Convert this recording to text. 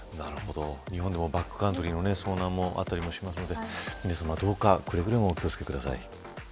日本でもバックカントリーの遭難もあったりもするので皆さま、どうかくれぐれもお気を付けください。